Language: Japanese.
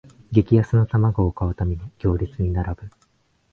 激安の玉子を買うために行列に並ぶ